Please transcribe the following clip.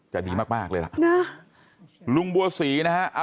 จะดีมากเลยล่ะ